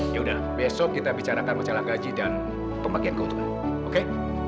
ya udah besok kita bicarakan masalah gaji dan pembagian keuntungan oke